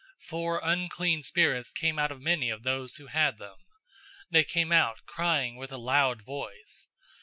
008:007 For unclean spirits came out of many of those who had them. They came out, crying with a loud voice.